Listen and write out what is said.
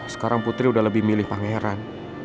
sekarang putri udah lebih milih pangeran